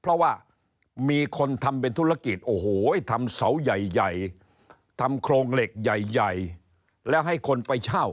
เพราะว่ามีคนทำเป็นธุรกิจโอ้โหทำเสาใหญ่ทำโครงเหล็กใหญ่แล้วให้คนไปเช่า